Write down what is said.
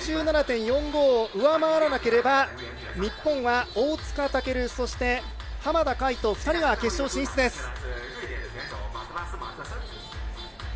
６７．４５を上回らなければ日本は大塚健と浜田海人の２人が決勝進出です。